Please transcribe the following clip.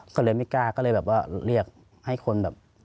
ก็เลยไม่กล้าก็เลยเรียกให้คน